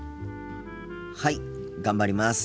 はい頑張ります！